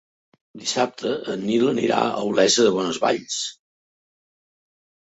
Dissabte en Nil anirà a Olesa de Bonesvalls.